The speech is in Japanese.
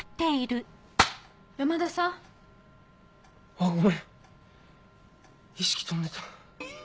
あっごめん意識飛んでた。